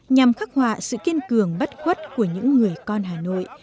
nhằm khắc họa sự kiên cường bất khuất của những người con hà nội